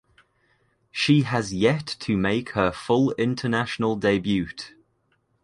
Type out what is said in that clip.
She has yet to make her full international debut.